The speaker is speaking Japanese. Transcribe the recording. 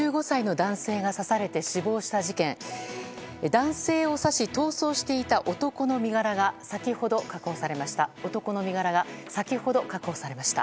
男性を刺し逃走していた男の身柄が先ほど、確保されました。